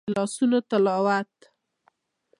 د لاسونو تلاوت